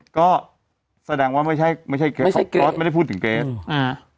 ก็แสดงว่าไม่ใช่ไม่ใช่เกสก๊อตไม่ได้พูดถึงเกรสอ่า